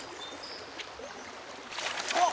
あっ！